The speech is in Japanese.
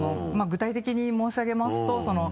具体的に申し上げますと。